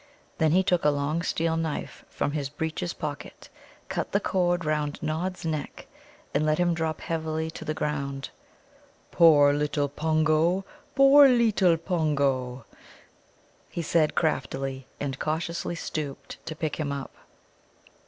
Then he took a long steel knife from his breeches pocket, cut the cord round Nod's neck, and let him drop heavily to the ground. "Poor little Pongo! poor leetle Pongo!" he said craftily, and cautiously stooped to pick him up.